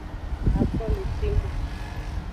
Afo le te nung.